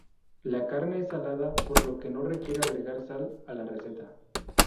La carne es salada, por lo que no requiere agregar sal a la receta.